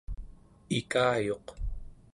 ikayuq